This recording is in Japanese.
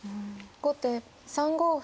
後手３五歩。